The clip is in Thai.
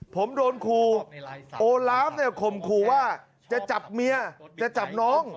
ผมโดนครูโอลาฟผมครูว่าจะจับเมียจะจับน้อง